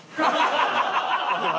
ハハハハ！